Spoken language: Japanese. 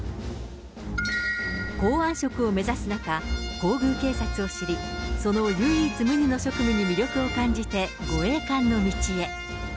公安職を目指す中、皇宮警察を知り、その唯一無二の職務に魅力を感じて護衛官の道へ。